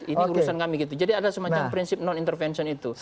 ini urusan kami gitu jadi ada semacam prinsip non intervention itu